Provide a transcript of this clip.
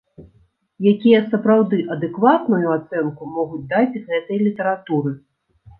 Якія сапраўды адэкватную ацэнку могуць даць гэтай літаратуры.